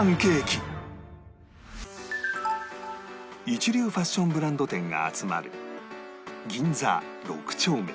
一流ファッションブランド店が集まる銀座６丁目